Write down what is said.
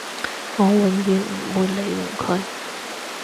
我永遠唔會利用佢